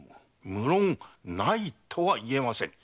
無論ないとは言えません。